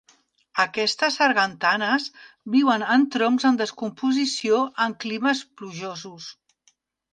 Aquestes sargantanes viuen en troncs en descomposició en climes plujosos.